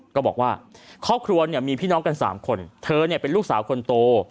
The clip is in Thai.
ก็บอกว่าครอบครัวเนี่ยมีพี่น้องกัน๓คนเธอเป็นลูกสาวคนโต